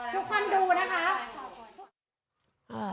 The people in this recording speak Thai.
ทุกคนดูนะคะ